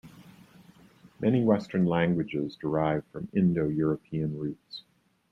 Many Western languages derive from Indo-European roots